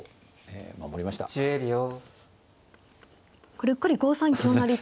これうっかり５三香成と。